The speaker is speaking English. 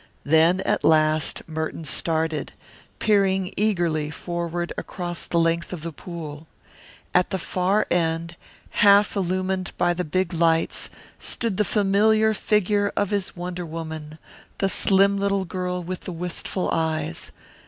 Then at last Merton started, peering eagerly forward across the length of the pool. At the far end, half illumined by the big lights, stood the familiar figure of his wonder woman, the slim little girl with the wistful eyes.